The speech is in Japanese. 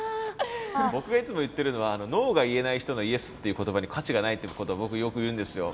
僕がいつも言ってるのはノーが言えない人のイエスっていう言葉に価値がないっていうことを僕よく言うんですよ。